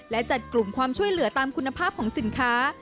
และจัดกลุ่มความช่วยเหลือตามคุณภาพของสินค้า